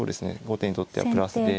後手にとってはプラスで。